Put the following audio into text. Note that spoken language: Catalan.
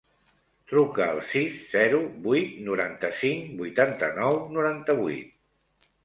Truca al sis, zero, vuit, noranta-cinc, vuitanta-nou, noranta-vuit.